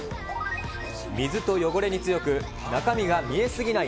水と汚れに強く、中身が見え過ぎない